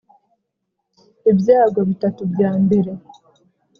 Ibyago bitatu bya mbere